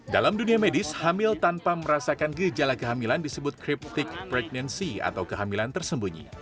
dalam dunia medis hamil tanpa merasakan gejala kehamilan disebut cryptic pregnancy atau kehamilan tersembunyi